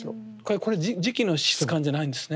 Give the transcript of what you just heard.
これ磁器の質感じゃないんですね。